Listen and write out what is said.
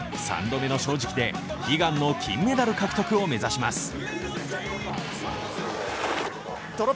３度目の正直で悲願の金メダル獲得を目指します。